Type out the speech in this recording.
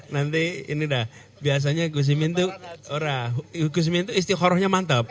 nanti ini dah biasanya gusimin itu istiqorohnya mantap